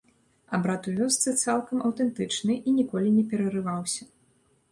Абрад у вёсцы цалкам аўтэнтычны і ніколі не перарываўся.